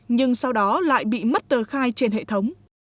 nhưng sau đó lại bị mất tờ khai trên hệ thống